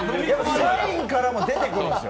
サインからも出てくるんですよ。